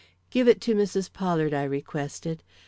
"Give it to Mrs. Pollard," I requested.